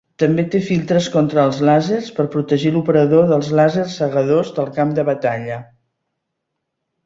També té filtres contra els làsers per protegir l'operador dels làsers cegadors del camp de batalla.